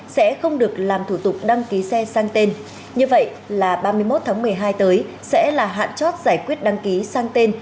sẽ không được làm thủ tục đăng ký xe sang tên như vậy là ba mươi một tháng một mươi hai tới sẽ là hạn chót giải quyết đăng ký sang tên